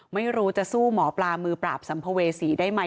ไม่รู้จะสู้หมอปลามือปราบสัมภเวษีได้ไหม